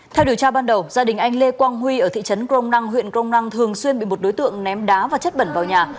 theo điều tra ban đầu gia đình anh lê quang huy ở thị trấn crom năng huyện crong năng thường xuyên bị một đối tượng ném đá và chất bẩn vào nhà